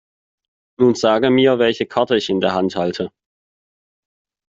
Nun sage mir, welche Karte ich in der Hand halte.